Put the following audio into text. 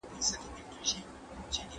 اوبه مهار کړو.